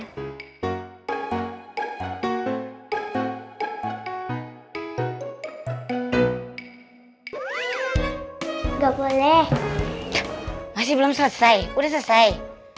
enggak boleh masih belum selesai udah selesai